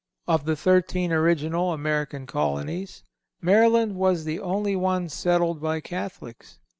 Of the thirteen original American Colonies, Maryland was the only one settled by Catholics.